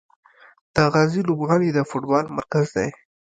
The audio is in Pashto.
د غازي لوبغالی د فوټبال مرکز دی.